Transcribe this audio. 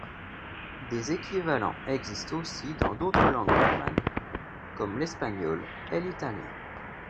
Des équivalents existent aussi dans d'autres langues romanes, comme l'espagnol et l'italien.